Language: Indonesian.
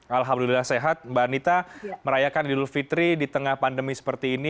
alhamdulillah sehat mbak anita merayakan idul fitri di tengah pandemi seperti ini